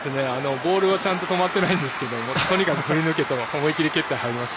ボールは止まってないんですけどとにかく振り抜けと思い切り蹴って、入りました。